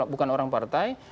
bukan orang partai